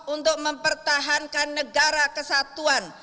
untuk mempertahankan negara kesatuan